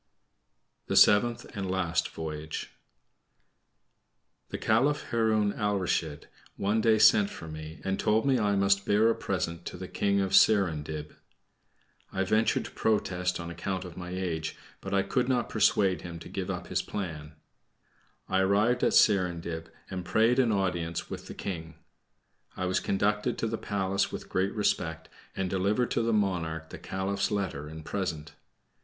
THE SEVENTH AND LAST VOYAGE The Caliph Haroun Alrashid one day sent for me, and told me I must bear a present to the King of Serindib. I ventured to protest on account of my age, but I could not persuade him to give up his plan. I arrived at Serindib, and prayed an audience with the King. I was conducted to the palace with great respect, and delivered to the monarch the Caliph's letter and present.